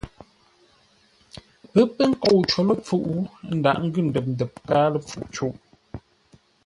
Pə́ pə́ kôu có ləpfuʼ, ə́ ndághʼ ngʉ ndəp-ndəp káa ləpfuʼ cûʼ.